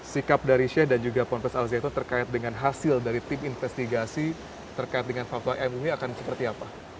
sikap dari sheikh dan juga ponpes al zaitun terkait dengan hasil dari tim investigasi terkait dengan fatwa m ini akan seperti apa